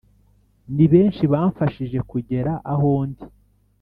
Ni benshi bamfashije kugera ahondi!